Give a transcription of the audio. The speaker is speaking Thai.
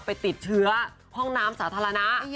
ไปติดเชื้อห้องน้ำสาธารณะ